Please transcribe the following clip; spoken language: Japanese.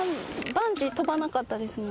バンジー飛ばなかったですもんね。